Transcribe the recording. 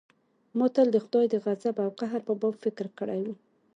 ما تل د خداى د غضب او قهر په باب فکر کړى و.